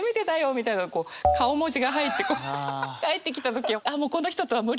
みたいなこう顔文字が入って返ってきた時はああこの人とは無理だなって。